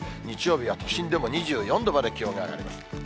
日曜日は都心でも２４度まで気温が上がります。